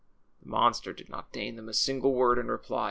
09 The monster did not deign them a single word in reply.